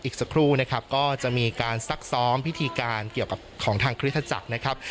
อีกสักครู่นะครับก็จะมีการซักซ้อมพิธีการเกี่ยวกับของทางคริสตจักรนะครับ